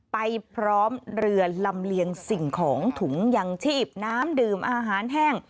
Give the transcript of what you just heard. ไปพร้อมเรือลำเลียงสิ่งของถุงยังชีพน้ำดื่มอาหารแห้ง